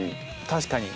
確かに。